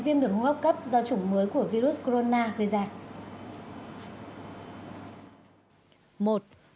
viêm được ngốc cấp do chủng mới của virus corona gây ra